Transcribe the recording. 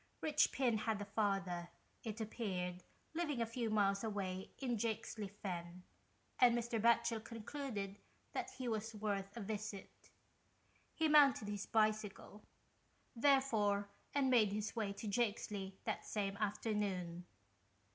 Richpin had a father, it appeared, living a few miles away in Jakesley Fen, and Mr. Batchel concluded that he was worth a visit. He mounted his bicycle, therefore, and made his way to Jakesley that same afternoon.